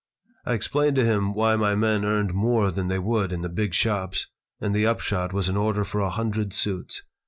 I explained to him why my men earned more than they would in the big shops, and the upshot was an order for a hundred suits.